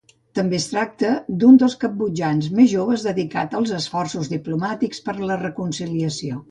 També es tracta d'un dels cambodjans més joves dedicat als esforços diplomàtics per la reconciliació.